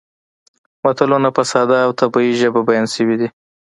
متلونه په ساده او طبیعي ژبه بیان شوي دي